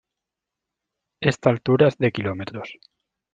Esta altura es de kilómetros.